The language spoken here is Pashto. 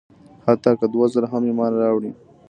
حتی که دوه ځله هم ایمان راوړي.